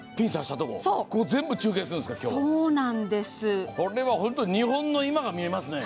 全部中継するんですね。